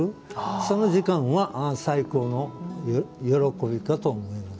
その時間は最高の喜びかと思います。